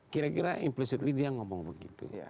kira kira implicitly dia ngomong begitu